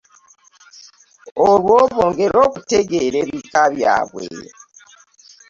Olwo bongere okutegeera ebika byabwe